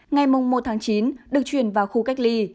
ngày một tháng chín được chuyển vào khu cách ly